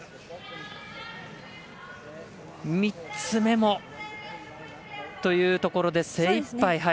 ３つ目もというところで精いっぱい。